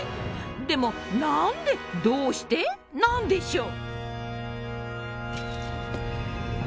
でも何で「どうして！？」なんでしょう。